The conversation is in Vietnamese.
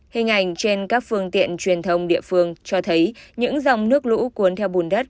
hình ảnh trên các phương tiện truyền thông địa phương cho thấy những dòng nước lũ cuốn theo bùn đất